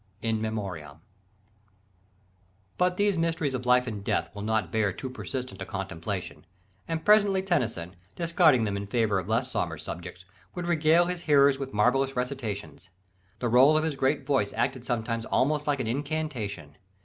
In Memoriam. But these mysteries of life and death will not bear too persistent a contemplation: and presently Tennyson, discarding them in favour of less sombre subjects, would regale his hearers with marvellous recitations. "The roll of his great voice acted sometimes almost like an incantation."